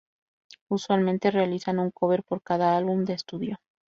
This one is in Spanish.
Usualmente realizan un cover por cada álbum de estudio.